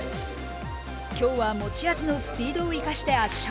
きょうは持ち味のスピードを生かして圧勝。